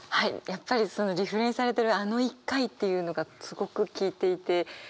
やっぱりリフレインされてる「あの１回」っていうのがすごく効いていて。